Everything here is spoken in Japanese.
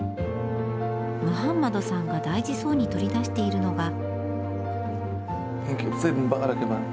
ムハンマドさんが大事そうに取り出しているのが。